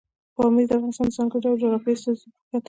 بامیان د افغانستان د ځانګړي ډول جغرافیې استازیتوب په ښه توګه کوي.